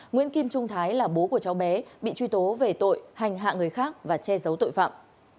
nguyễn kim trung thái là bố của cháu bé bị truy tố về tội hành hạ người khác và che giấu tội phạm